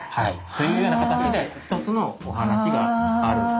というような形で一つのお話があると。